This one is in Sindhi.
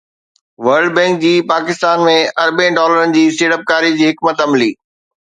ورلڊ بينڪ جي پاڪستان ۾ اربين ڊالرن جي سيڙپڪاري جي حڪمت عملي